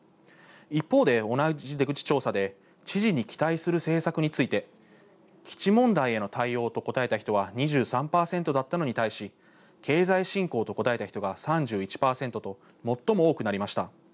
一方で同じ出口調査で知事に期待する政策について基地問題への対応と答えた人は２３％だったのに対し、経済振興と答えた人が３１％と最も多くなりました。